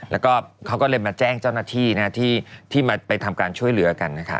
แล้วก็เขาก็เลยมาแจ้งเจ้าหน้าที่ที่มาไปทำการช่วยเหลือกันนะคะ